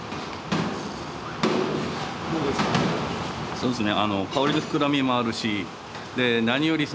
そうっすね。